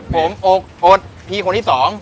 ผมอดพี่คนที่๒